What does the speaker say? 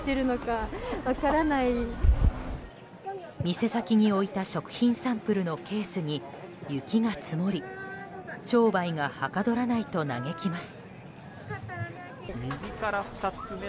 店先に置いた食品サンプルのケースに雪が積もり、商売がはかどらないと嘆きます。